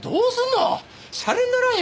シャレにならんよ。